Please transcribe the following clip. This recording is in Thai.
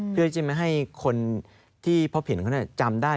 เพื่อให้คนที่พบเห็นเขาจำได้